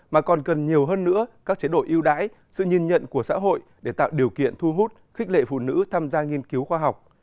mà còn cần nhiều hơn nữa các chế độ ưu đãi sự nhìn nhận của xã hội để tạo điều kiện thu hút khích lệ phụ nữ tham gia nghiên cứu khoa học